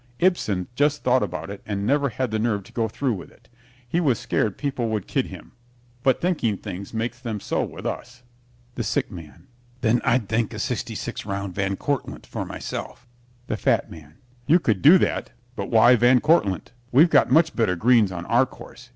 Ibsen just thought about it and never had the nerve to go through with it. He was scared people would kid him, but thinking things makes them so with us. THE SICK MAN Then I'd think a sixty six round Van Cortlandt for myself. THE FAT MAN You could do that. But why Van Cortlandt? We've got much better greens on our course.